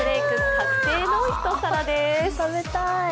確定の一皿です。